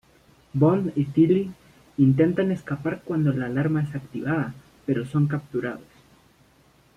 Bond y Tilly intentan escapar cuando la alarma es activada, pero son capturados.